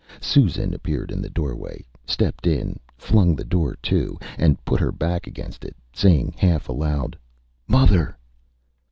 Susan appeared in the doorway, stepped in, flung the door to, and put her back against it, saying, half aloud ÂMother!